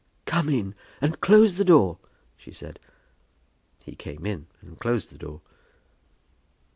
"Come in, and close the door," she said. He came in and closed the door.